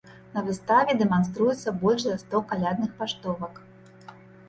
На выставе дэманструецца больш за сто калядных паштовак.